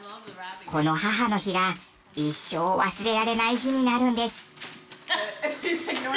この母の日が一生忘れられない日になるんです。